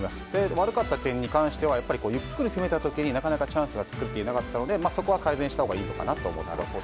悪かった点に関してはゆっくり攻めた時になかなかチャンスが作れなかったのでそこは改善したほうがいいのかなと思います。